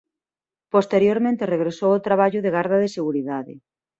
Posteriormente regresou ao traballo de garda de seguridade.